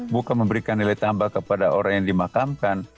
bukan memberikan nilai tambah kepada orang yang dimakamkan